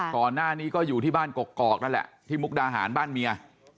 ก่อนหน้านี้ก็อยู่ที่บ้านกกอกนั่นแหละที่มุกดาหารบ้านเมีย